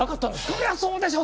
そりゃそうでしょ